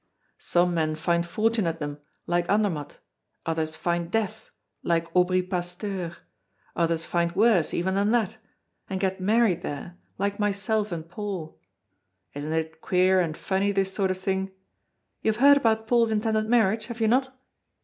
Some men find fortune at them, like Andermatt; others find death, like Aubry Pasteur; others find worse even than that and get married there like myself and Paul. Isn't it queer and funny, this sort of thing? You have heard about Paul's intended marriage have you not?"